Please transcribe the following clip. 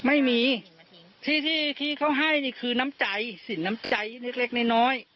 ไม่มีที่ที่เขาให้นี่คือน้ำใจสินน้ำใจเล็กน้อย